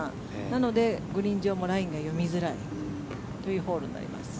なのでグリーン上もラインが読みづらいというホールになります。